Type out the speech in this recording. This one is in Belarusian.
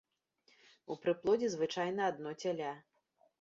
У прыплодзе звычайна адно цяля.